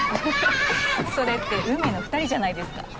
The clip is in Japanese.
それって運命の２人じゃないですか。